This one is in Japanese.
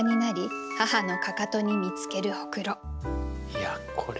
いやこれ。